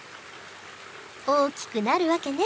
大きくなるわけね。